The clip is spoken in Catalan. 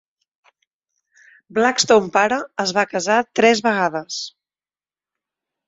Blackstone pare es va casar tres vegades.